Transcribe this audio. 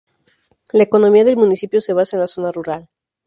La economía del municipio se basa en la zona rural.